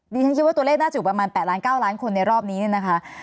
ฉันคิดว่าตัวเลขน่าจะอยู่ประมาณ๘ล้าน๙ล้านคนในรอบนี้เนี่ยนะคะ